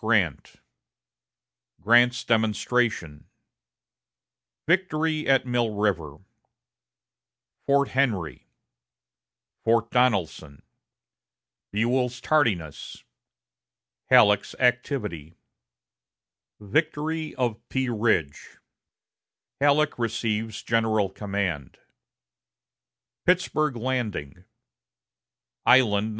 Grant Grant's Demonstration Victory at Mill River Fort Henry Fort Donelson Buell's Tardiness Halleck's Activity Victory of Pea Ridge Halleck Receives General Command Pittsburg Landing Island No.